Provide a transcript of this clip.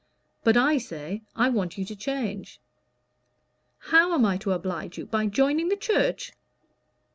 But I say I want you to change." "How am I to oblige you? By joining the Church?"